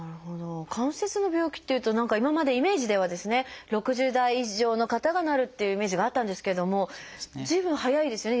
関節の病気っていうと何か今までイメージではですね６０代以上の方がなるっていうイメージがあったんですけども随分早いですね